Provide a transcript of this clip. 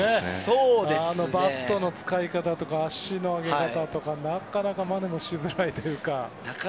あのバットの使い方とか足の上げ方とかなかなかまねしづらいというか。